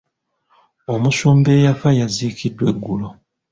Omusumba eyafa yaziikiddwa eggulo.